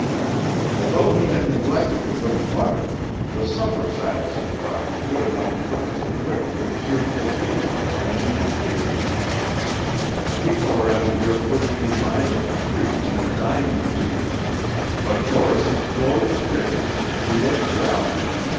Although he had neglected to bring butter, the supper Silas had brought was good enough to put Mr. Whittle in a cheerful humor, and he continued, "The people around here put me in mind of the freaks in a dime museum; but Dorris's clothes fit him, and he looks well.